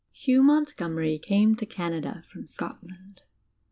Hugh Montgomery came to Canada from Scodand.